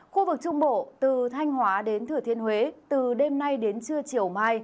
khu vực trung bộ từ thanh hóa đến thừa thiên huế từ đêm nay đến trưa chiều mai